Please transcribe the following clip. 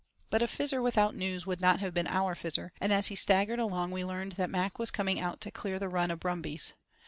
But a Fizzer without news would not have been our Fizzer, and as he staggered along we learned that Mac was coming out to clear the run of brumbies.